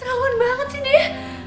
keterlaluan banget sih dia